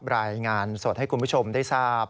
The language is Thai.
รายงานสดให้คุณผู้ชมได้ทราบ